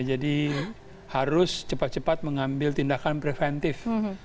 jadi harus cepat cepat mengambil tindakan preventif